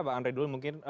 kak andre dulu mungkin